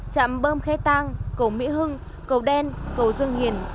cầu đạm bơm khé tăng cầu mỹ hưng cầu đen cầu dương hiển